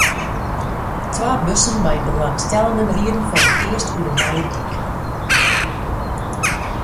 Twa bussen mei belangstellenden rieden foar it earst oer de nije dyk.